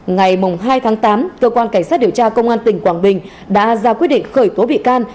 ngày hai tháng tám cơ quan cảnh sát điều tra công an tỉnh quảng bình đã ra quyết định khởi tố bị can